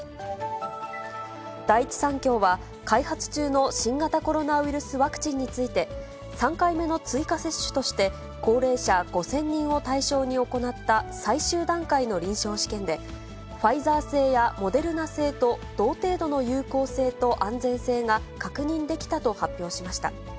第一三共は、開発中の新型コロナウイルスワクチンについて、３回目の追加接種として、高齢者５０００人を対象に行った最終段階の臨床試験で、ファイザー製やモデルナ製と同程度の有効性と安全性が確認できたと発表しました。